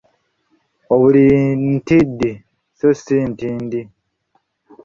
Obuliri ntidi so si ntindi.